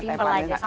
sama kurma ya mbak